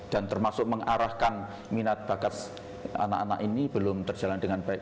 dan termasuk mengarahkan minat bakat anak anak ini belum terjalan dengan baik